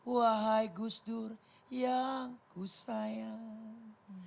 wahai gus dur yang kusayang